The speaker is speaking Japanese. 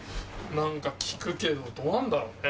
何か聞くけどどうなんだろうね？